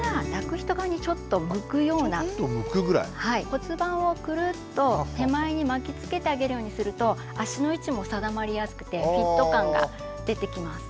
骨盤をくるっと手前に巻きつけてあげるようにすると足の位置も定まりやすくてフィット感が出てきます。